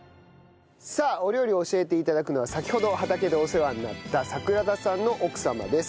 さあお料理を教えて頂くのは先ほど畑でお世話になった櫻田さんの奥様です。